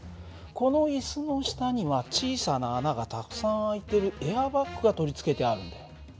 この椅子の下には小さな穴がたくさん開いてるエアバッグが取り付けてあるんだよ。